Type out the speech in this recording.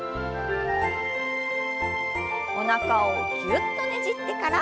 おなかをぎゅっとねじってから。